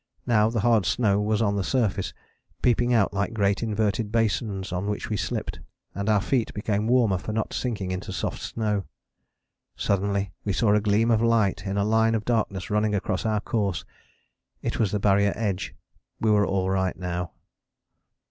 Now the hard snow was on the surface, peeping out like great inverted basins on which we slipped, and our feet became warmer for not sinking into soft snow. Suddenly we saw a gleam of light in a line of darkness running across our course. It was the Barrier edge: we were all right now.